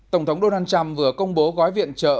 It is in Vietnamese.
tổng thống donald trump vừa công bố gói viện trợ